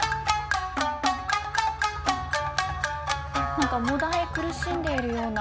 何かもだえ苦しんでいるような。